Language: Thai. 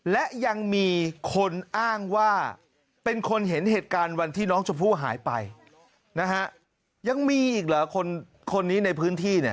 และยังมีคนอ้างว่าเป็นคนเห็นเหตุการณ์วันที่น้องชมพู่หายไปนะฮะยังมีอีกเหรอคนนี้ในพื้นที่เนี่ย